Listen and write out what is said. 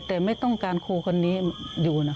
แต่ไม่ต้องการครูคนนี้อยู่นะ